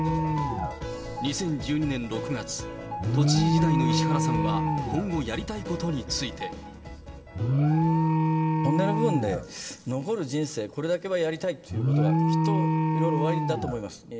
２０１２年６月、都知事時代の石原さんは今後、やりたいことにつ本音の部分で、残る人生、これだけはやりたいっていうことが、きっといろいろおありだと思います。